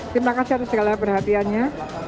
terima kasih atas segala perhatiannya